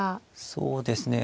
そうですね。